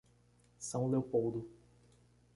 São Leopoldo